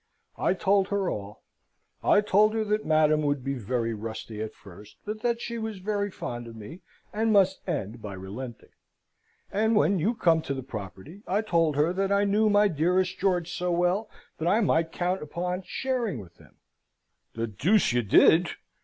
I told her all. I told her that Madam would be very rusty at first; but that she was very fond of me, and must end by relenting. And when you come to the property, I told her that I knew my dearest George so well, that I might count upon sharing with him." "The deuce you did!